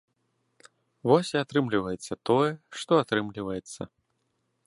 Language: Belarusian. Вось і атрымліваецца тое, што атрымліваецца.